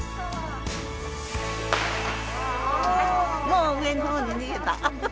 もう上の方に逃げた。